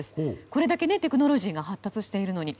これだけテクノロジーが発達しているのに。